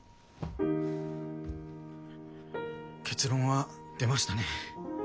結論は出ましたね。